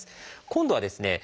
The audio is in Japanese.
今度はですね